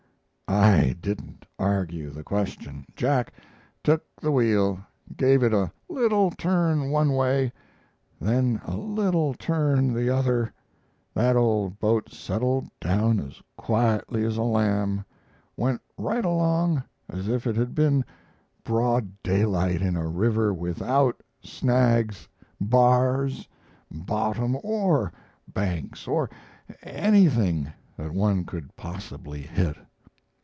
"I didn't argue the question. Jack took the wheel, gave it a little turn one way, then a little turn the other; that old boat settled down as quietly as a lamb went right along as if it had been broad daylight in a river without snags, bars, bottom, or banks, or anything that one could possibly hit.